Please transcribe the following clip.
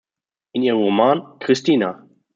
In ihrem Roman "Krystyna.